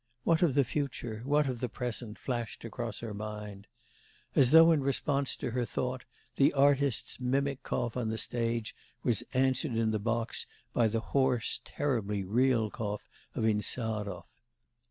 'What of the future? What of the present?' flashed across her mind. As though in response to her thought, the artist's mimic cough on the stage was answered in the box by the hoarse, terribly real cough of Insarov.